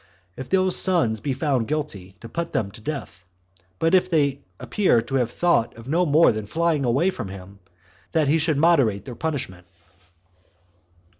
And if those sons be found guilty, to put them to death; but if they appear to have thought of no more than flying away from him, that he should moderate their punishment.